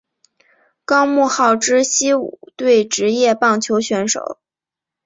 高木浩之西武队职业棒球选手。